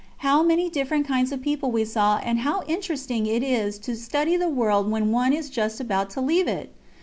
How many different kinds of people we saw and how interesting it is to study the world when one is just about to leave it!